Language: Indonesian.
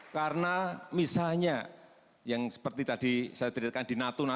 karena misalnya yang seperti tadi saya terlihatkan di natuna